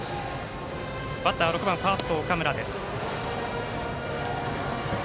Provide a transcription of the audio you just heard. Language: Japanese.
バッター６番ファースト、岡村です。